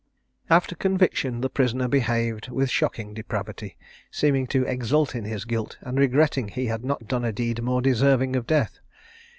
After conviction, the prisoner behaved with shocking depravity, seeming to exult in his guilt, and regretting he had not done a deed more deserving of death.